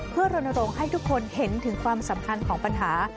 เพื่อรณรงค์ให้ทุกคนเห็นถึงความสำคัญของปัญหา